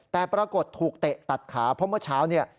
แต่ปรากฏถูกเตะตัดขาเพราะเมื่อเช้าเนี่ย